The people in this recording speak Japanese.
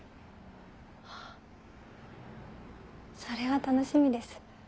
それは楽しみです。